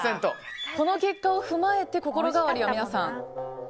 この結果を踏まえて心変わりは、皆さん。